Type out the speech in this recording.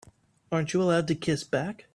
Aren't you allowed to kiss back?